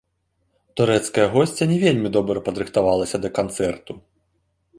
Турэцкая госця не вельмі добра падрыхтавалася да канцэрту.